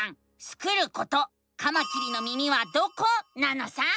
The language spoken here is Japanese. スクること「カマキリの耳はどこ？」なのさ！